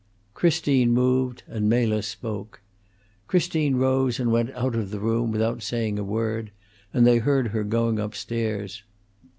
Christine moved, and Mela spoke. Christine rose and went out of the room without saying a word, and they heard her going up stairs.